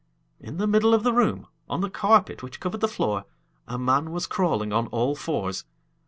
In the middle of the room, on the carpet which covered the floor, a man was crawling on all fours.